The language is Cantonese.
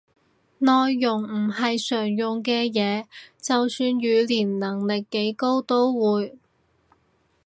內容唔係常用嘅嘢，就算語言能力幾高都會